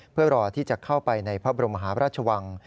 เพื่อรอที่จะเข้าไปในพระบรมหาพระราชวัง